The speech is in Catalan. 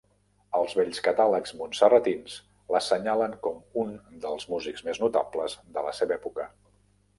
Els vells catàlegs montserratins l'assenyalen com un dels músics més notables de la seva època.